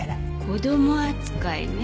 子供扱いね。